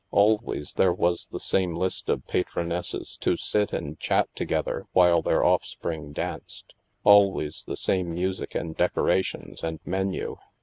Al ways there was the same list of patronesses to sit and chat together, while their offspring danced ; al ways the same music and decorations and menu.